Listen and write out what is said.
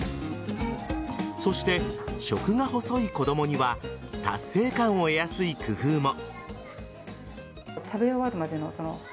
そして、食が細い子供には達成感を得やすい工夫も。